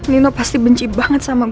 nino pasti benci banget sama mama